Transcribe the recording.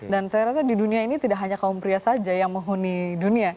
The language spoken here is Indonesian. dan saya rasa di dunia ini tidak hanya kaum pria saja yang menghuni dunia